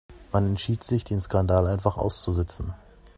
Man entschied sich, den Skandal einfach auszusitzen.